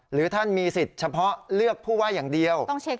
หรือท่านมีสิทธิ์เฉพาะเลือกผู้ว่าอย่างเดียว